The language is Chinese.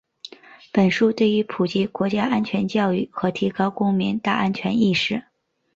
本书对于普及国家安全教育和提高公民“大安全”意识